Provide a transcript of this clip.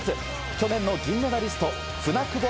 去年の銀メダリスト舟久保